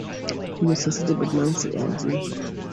He was succeeded by Nancy L. Zimpher.